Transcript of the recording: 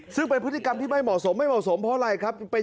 ซึ่งเป็นพฤติกรรมที่ไม่เหมาะสมไม่เหมาะสมเพราะอะไรครับ